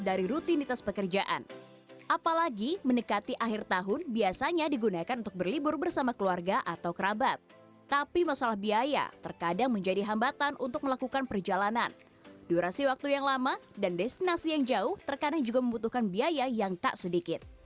destinasi yang jauh terkarenanya juga membutuhkan biaya yang tak sedikit